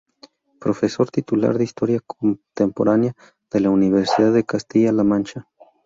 Profesor titular de Historia Contemporánea de la Universidad de Castilla-La Mancha.